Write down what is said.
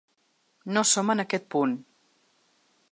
No som en aquest punt